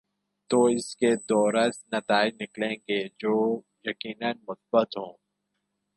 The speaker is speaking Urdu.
تو اس کے دوررس نتائج نکلیں گے جو یقینا مثبت ہوں۔